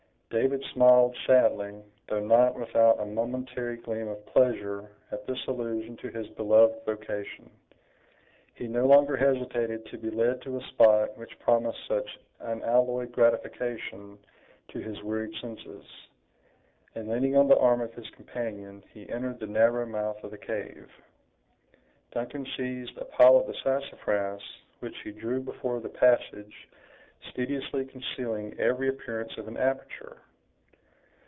David smiled sadly, though not without a momentary gleam of pleasure, at this allusion to his beloved vocation. He no longer hesitated to be led to a spot which promised such unalloyed gratification to his wearied senses; and leaning on the arm of his companion, he entered the narrow mouth of the cave. Duncan seized a pile of the sassafras, which he drew before the passage, studiously concealing every appearance of an aperture.